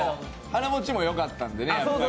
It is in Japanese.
腹持ちもよかったんでね。